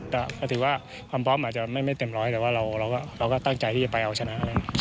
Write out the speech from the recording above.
แต่ก็ถือว่าความพร้อมอาจจะไม่เต็มร้อยแต่ว่าเราก็ตั้งใจที่จะไปเอาชนะอะไร